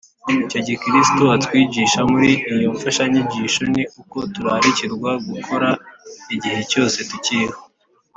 icyo kristo atwigisha muri iyo mfashanyigisho ni uko turarikirwa gukora igihe cyose tukiriho